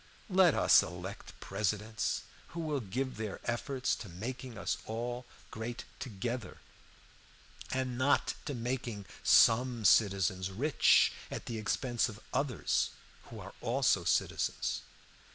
Let us elect presidents who will give their efforts to making us all great together, and not to making some citizens rich at the expense of others who are also citizens.